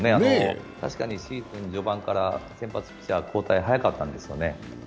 確かにシーズン序盤から先発ピッチャー交代が早かったんですよね。